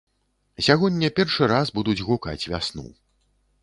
Сягоння першы раз будуць гукаць вясну.